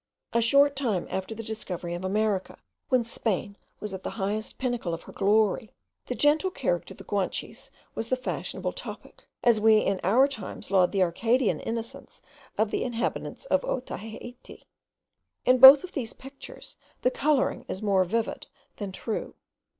A short time after the discovery of America, when Spain was at the highest pinnacle of her glory, the gentle character of the Guanches was the fashionable topic, as we in our times laud the Arcadian innocence of the inhabitants of Otaheite. In both these pictures the colouring is more vivid than true.